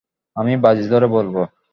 আমি বাজি ধরে বলবো।